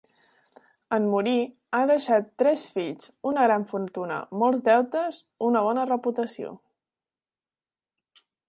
En morir, ha deixat tres fills, una gran fortuna, molts deutes, una bona reputació.